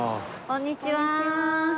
こんにちは。